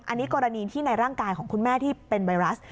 อันนี้กรณีที่ในร่างกายของคุณแม่ที่เป็นไวรัส